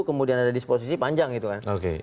kemudian ada disposisi panjang gitu kan